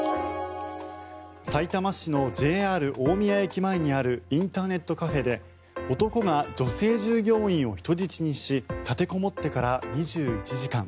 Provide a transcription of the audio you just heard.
さいたま市のＪＲ大宮駅前にあるインターネットカフェで男が女性従業員を人質にし立てこもってから２１時間。